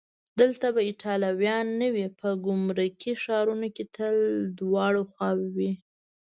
دلته به ایټالویان نه وي؟ په ګمرکي ښارونو کې تل دواړه خواوې وي.